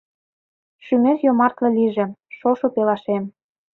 Шӱмет йомартле лийже, шошо пелашем.